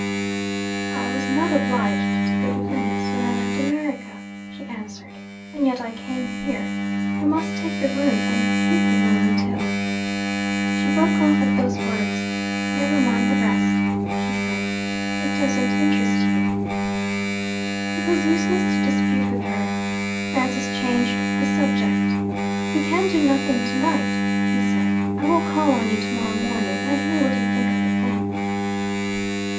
'I was not obliged to go to Venice, when I left America,' she answered. 'And yet I came here. I must take the room, and keep the room, until ' She broke off at those words. 'Never mind the rest,' she said. 'It doesn't interest you.' It was useless to dispute with her. Francis changed the subject. 'We can do nothing to night,' he said. 'I will call on you to morrow morning, and hear what you think of it then.'